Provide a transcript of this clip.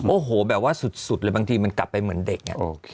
โอ้โหแบบว่าสุดเลยบางทีมันกลับไปเหมือนเด็กเนี่ย